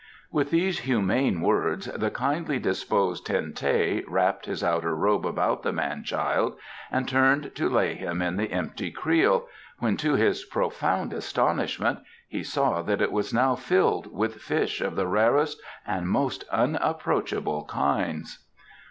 With these humane words the kindly disposed Ten teh wrapped his outer robe about the man child and turned to lay him in the empty creel, when to his profound astonishment he saw that it was now filled with fish of the rarest and most unapproachable kinds.